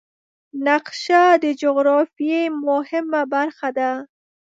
نقشه د جغرافیې مهمه برخه ده.